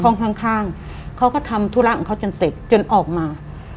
ห้องข้างเขาก็ทำธุระของเขาจนเสร็จจนออกมา